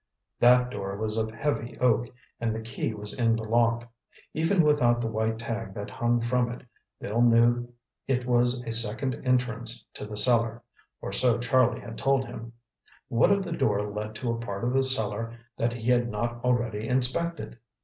That door was of heavy oak, and the key was in the lock. Even without the white tag that hung from it, Bill knew it was a second entrance to the cellar, or so Charlie had told him. What if the door led to a part of the cellar that he had not already inspected?